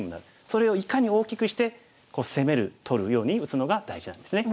それをいかに大きくして攻める取るように打つのが大事なんですね。